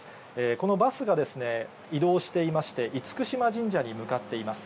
このバスが移動していまして、厳島神社に向かっています。